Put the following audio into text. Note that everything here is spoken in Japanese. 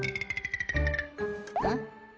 うん？